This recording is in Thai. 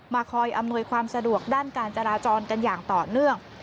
คอยอำนวยความสะดวกด้านการจราจรกันอย่างต่อเนื่อง